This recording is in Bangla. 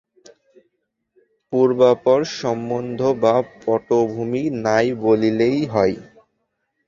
পূর্বাপর সম্বন্ধ বা পটভূমি নাই বলিলেই হয়।